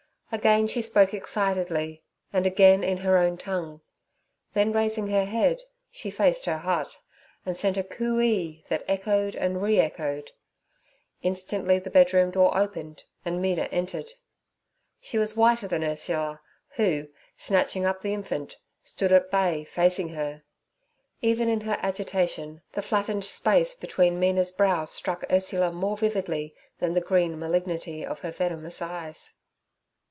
Again she spoke excitedly, and again in her own tongue; then raising her head, she faced her hut, and sent a cooee that echoed and re echoed. Instantly the bedroom door opened and Mina entered. She was whiter than Ursula, who, snatching up the infant, stood at bay facing her. Even in her agitation the flattened space between Mina's brows struck Ursula more vividly than the green malignity of her venomous eyes.